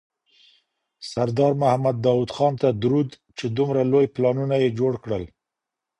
سردار محمد داود خان ته درود چي دومره لوی پلانونه یې جوړ کړل.